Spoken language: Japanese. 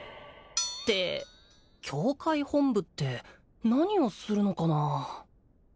って教会本部って何をするのかな？